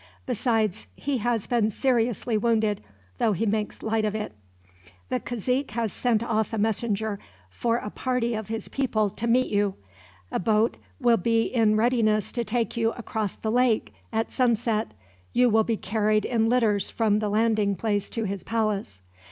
Besides, he has been seriously wounded, though he makes light of it. "The cazique has sent off a messenger for a party of his people to meet you. A boat will be in readiness to take you across the lake, at sunset. You will be carried in litters from the landing place to his palace."